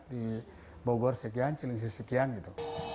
di bogor sekian cilengsi sekian gitu